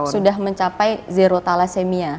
sudah mencapai zero tala semia